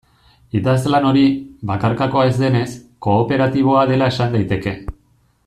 Idazlan hori, bakarkakoa ez denez, kooperatiboa dela esan daiteke.